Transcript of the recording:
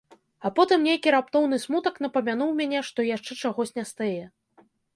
А потым нейкі раптоўны смутак напамянуў мне, што яшчэ чагось на стае.